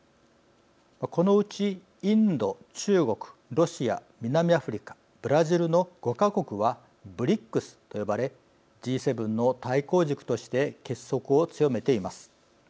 このうちインド、中国、ロシア南アフリカ、ブラジルの５か国はＢＲＩＣＳと呼ばれＧ７の対抗軸として結束を強めています。